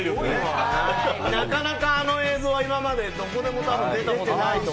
なかなかあの映像は今までどこでも出たことがない。